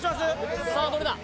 さあどれだ？